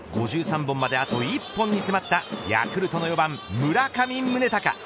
５３番まであと１本に迫ったヤクルトの４番村上宗隆。